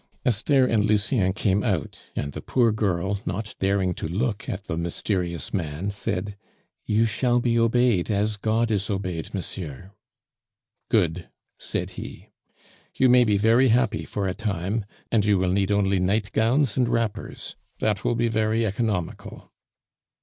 Esther and Lucien came out, and the poor girl, not daring to look at the mysterious man, said: "You shall be obeyed as God is obeyed, monsieur." "Good," said he. "You may be very happy for a time, and you will need only nightgowns and wrappers that will be very economical."